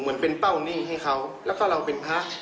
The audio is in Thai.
เหมือนเป็นเป้าหนี้ให้เขาแล้วก็เราเป็นพระ